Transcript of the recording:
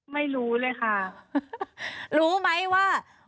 ไม่รู้เลยค่ะ